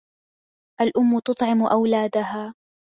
الْأُمُّ تُطْعِمُ أَوْلاَدَهَا.